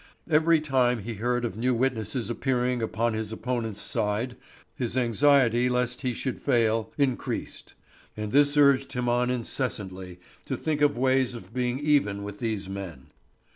Every time he heard of new witnesses appearing upon his opponent's side, his anxiety lest he should fail increased; and this urged him on incessantly to think of ways of being even with these men.